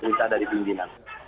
kita ada di pimpinan